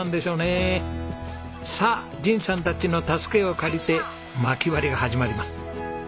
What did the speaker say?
さあ仁さんたちの助けを借りてまき割りが始まります。